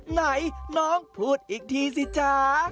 ไหนน้องพูดอีกทีสิจ๊ะ